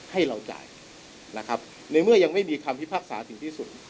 ไม่จำเป็นที่เราจะต้องจ่ายนะครับ